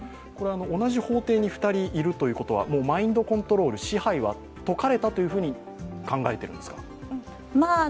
同じ法廷に２人いるということはマインドコントロール、支配は解かれたと考えているんですか。